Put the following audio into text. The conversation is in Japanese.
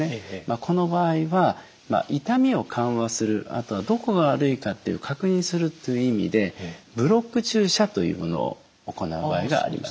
この場合は痛みを緩和するあとはどこが悪いかっていう確認するという意味でブロック注射というものを行う場合があります。